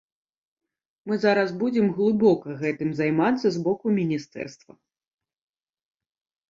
Мы зараз будзем глыбока гэтым займацца з боку міністэрства.